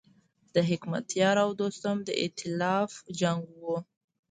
د حکمتیار او دوستم د ایتلاف جنګ و.